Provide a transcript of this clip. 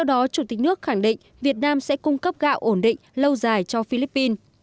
đó chủ tịch nước khẳng định việt nam sẽ cung cấp gạo ổn định lâu dài cho philippines